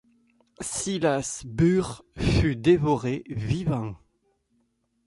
Silas Burr fut dévoré vivant.